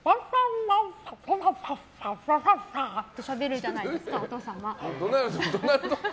こうやってしゃべるじゃないですか、お父様。